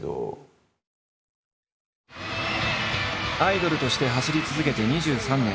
アイドルとして走り続けて２３年。